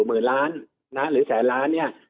หมื่นล้านนะหรือแสนล้านเนี่ย